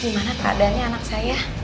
gimana keadaannya anak saya